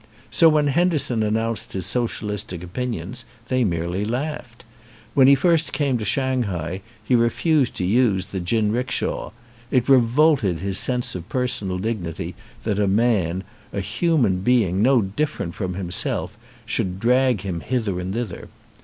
So when Henderson announced his social istic opinions they merely laughed. When he first came to Shanghai he refused to use the jinrickshaw. It revolted his sense of personal dignity that a man, a human being no different from himself, should drag him hither and thither.